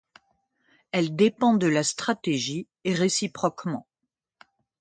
Elle dépend de la stratégie et réciproquement.